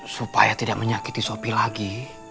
supaya tidak menyakiti sopi lagi